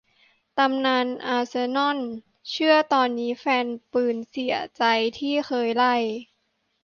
ตำนาน อาร์เซนอล เชื่อตอนนี้แฟนปืนเสียใจที่เคยไล่